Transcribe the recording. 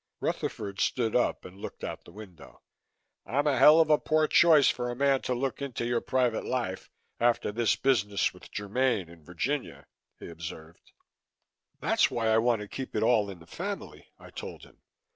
Rutherford stood up and looked out the window. "I'm a hell of a poor choice for a man to look into your private life, after this business with Germaine and Virginia," he observed. "That's why I want to keep it all in the family," I told him.